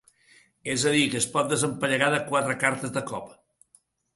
És a dir, que es pot desempallegar de quatre cartes de cop!